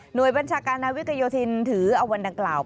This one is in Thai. โดยบัญชาการนาวิกโยธินถือเอาวันดังกล่าว